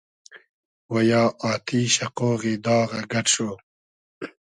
و یا آتیشۂ ، قۉغی داغۂ گئۮ شو